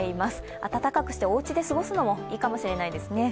暖かくしておうちで過ごすのもいいかもしれませんね。